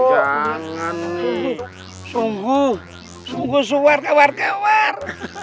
jangan nih sungguh sungguh suer kewer kewer